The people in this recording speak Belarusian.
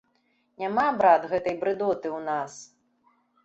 Няма, брат, гэтай брыдоты ў нас!